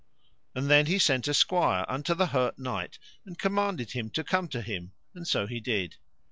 And then he sent a squire unto the hurt knight, and commanded him to come to him, and so he did.